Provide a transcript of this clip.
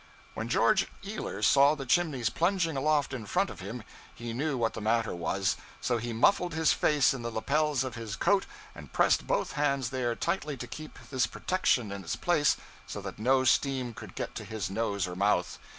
When George Ealer saw the chimneys plunging aloft in front of him, he knew what the matter was; so he muffled his face in the lapels of his coat, and pressed both hands there tightly to keep this protection in its place so that no steam could get to his nose or mouth.